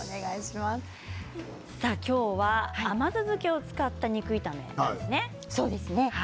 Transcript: きょうは甘酢漬けを使った肉炒めですね。